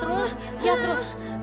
tarik nafas terus